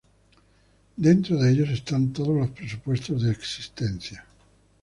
Dentro de ellos están todos los presupuestos de existencia.